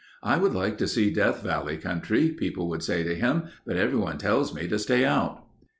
"I would like to see Death Valley country," people would say to him, "but everyone tells me to stay out."